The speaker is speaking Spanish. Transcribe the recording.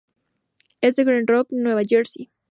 Es de Glen Rock, Nueva Jersey.